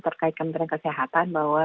terkait kementerian kesehatan bahwa